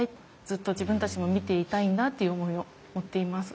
ずっと自分たちも見ていたいんだっていう思いを持っています。